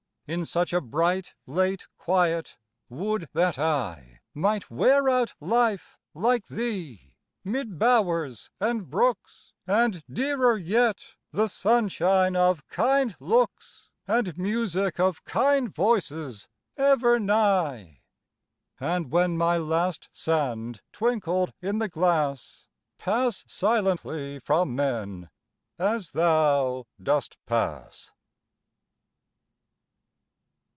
In such a bright, late quiet, would that I Might wear out life like thee, mid bowers and brooks, And, dearer yet, the sunshine of kind looks, And music of kind voices ever nigh; And when my last sand twinkled in the glass, Pass silently from men, as thou dost pass.